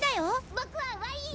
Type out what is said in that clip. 僕はワイン！